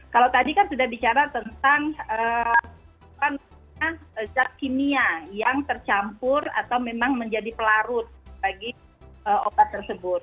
kalau tadi kan sudah bicara tentang zat kimia yang tercampur atau memang menjadi pelarut bagi obat tersebut